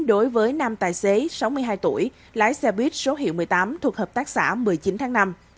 đối với năm tài xế sáu mươi hai tuổi lái xe buýt số hiệu một mươi tám thuộc hợp tác xã một mươi chín tháng năm